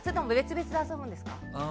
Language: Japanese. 別々で遊ぶんですか？